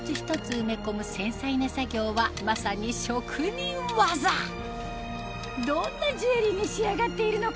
埋め込む繊細な作業はまさに職人技どんなジュエリーに仕上がっているのか